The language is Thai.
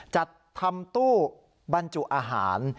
จัดทำตู้บรรจุอาหาร